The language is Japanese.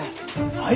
はい？